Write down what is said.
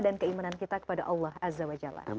dan keimanan kita kepada allah azza wa jalla